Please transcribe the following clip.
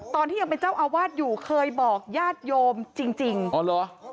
ตอนที่ยังเป็นเจ้าอาวาสอยู่เคยบอกญาติโยมจริงจริงอ๋อเหรอ